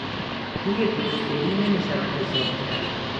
روی دوستی او نمیشود حساب کرد.